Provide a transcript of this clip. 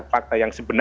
fakta yang sebenarnya